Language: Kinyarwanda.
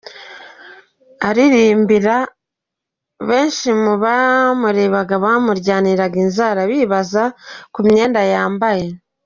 Aririmbira, benshi mu bamurebaga bamuryaniye inzara bibaza ku mwenda yari yambaye.